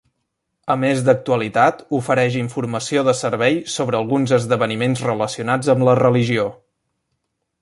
A més d'actualitat ofereix informació de servei sobre alguns esdeveniments relacionats amb la religió.